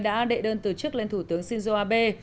đã đệ đơn từ chức lên thủ tướng shinzo abe